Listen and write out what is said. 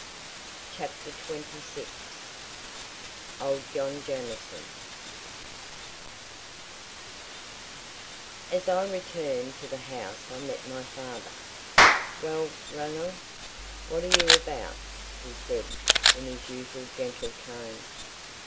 CHAPTER XXVI Old John Jamieson As I returned to the house I met my father. "Well, Ranald, what are you about?" he said, in his usual gentle tone.